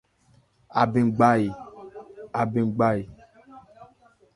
Abɛn gba ɛ ?